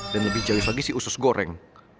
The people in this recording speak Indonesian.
dan lebih jayus lagi si usus goreng